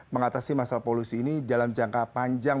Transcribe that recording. mengatasi masalah polusi ini dalam jangka panjang